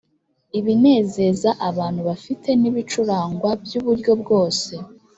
ibinezeza abantu bafite n ibicurangwa by uburyo bwose